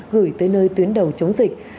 gửi tới nơi tuyến đầu chống dịch